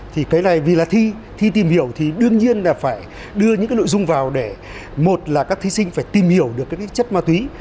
thì cái này vì là thi thi tìm hiểu thì đương nhiên là phải đưa những cái nội dung vào để một là các thí sinh phải tìm hiểu được cái chất ma túy